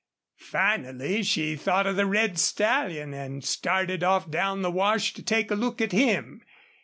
Finally she thought of the red stallion, and started off down the wash to take a look at him.